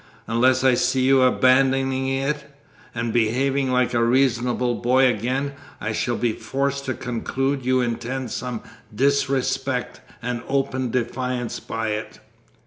Unless I see you abandoning it, and behaving like a reasonable boy again, I shall be forced to conclude you intend some disrespect and open defiance by it."